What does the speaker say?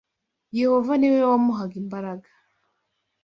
Yehova ni we wamuhaga imbaraga